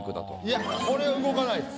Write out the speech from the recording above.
いやこれ動かないです。